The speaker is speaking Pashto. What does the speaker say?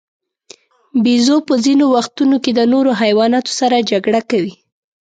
بیزو په ځینو وختونو کې د نورو حیواناتو سره جګړه کوي.